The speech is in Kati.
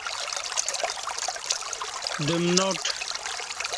دم ناٹ